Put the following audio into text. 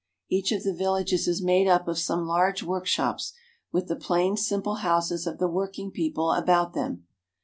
Each of the villages is made up of some large workshops, with the plain simple houses of the working people about them.